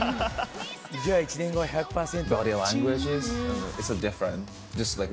「じゃあ１年後は１００％」。